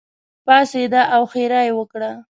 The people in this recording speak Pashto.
پاڅېده او ښېرا یې وکړه.